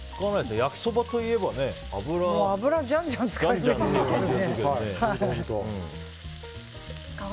焼きそばといえば油をじゃんじゃん使うイメージ。